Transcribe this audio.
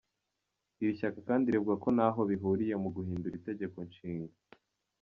Iri shyaka kandi rivuga ko ntaho bihuriye no guhindura itegeko nshinga.